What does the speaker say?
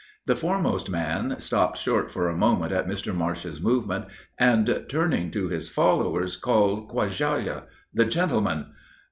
The foremost man stopped short for a moment at Mr. Marsh's movement, and turning to his followers, called out 'Khawaja!' (the gentlemen!)